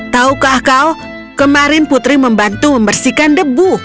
taukah kau kemarin putri membantu membersihkan debu